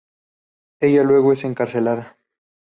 Ella luego es encarcelada.